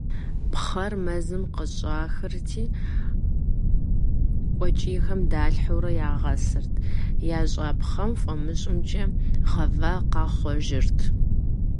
Пхъэр мэзым къыщӏахырти, къуэкӏийхэм далъхьэурэ ягъэсырт, ящӏа пхъэ фӏамыщӏымкӏэ гъавэ къахъуэжырт.